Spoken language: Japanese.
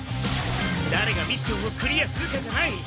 誰がミッションをクリアするかじゃない。